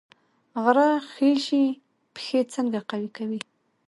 غره خیژي پښې څنګه قوي کوي؟